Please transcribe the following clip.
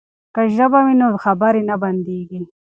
که ژبه وي نو خبرې نه بندیږي.